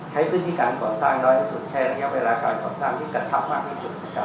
ใช้วิธีการก่อสร้างน้อยที่สุดแค่ระยะเวลาการก่อสร้างที่กระชับมากที่สุดนะครับ